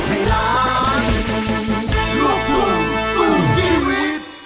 สวัสดี